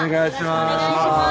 お願いします